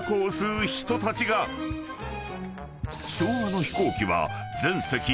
［昭和の飛行機は］